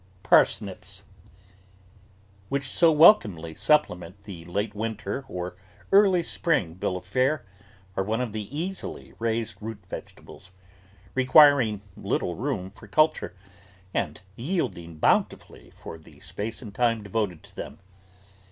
PARSNIPS Which so welcomely supplement the late winter or early spring bill of fare, are one of the easily raised root vegetables, requiring little room for culture and yielding bountifully for the space and time devoted to them.